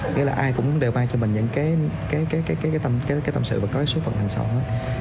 nghĩa là ai cũng đều mang cho mình những cái tâm sự và có số phận hàng sau hết